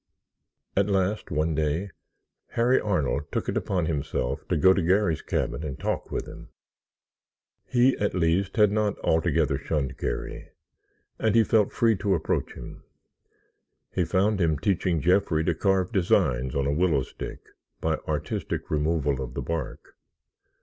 At last, one day, Harry Arnold took it upon himself to go to Garry's cabin and talk with him. He, at least, had not altogether shunned Garry and he felt free to approach him. He found him teaching Jeffrey to carve designs on a willow stick by artistic removal of the bark.